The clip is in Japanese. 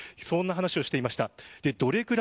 そんな話をしていました。